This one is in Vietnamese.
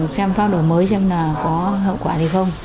xem pháp đổi mới xem là có hậu quả hay không